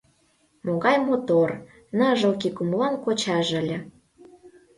Могай мотор, ныжылге кумылан кочаже ыле!